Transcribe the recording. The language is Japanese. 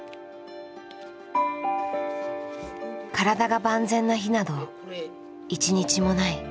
体が万全な日など一日もない。